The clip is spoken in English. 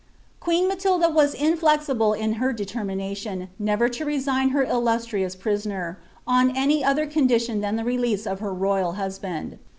Queen Matilda was inflexible in her determination, never to resign her illustrious prisoner, on any other condition than the release of her tojral husband.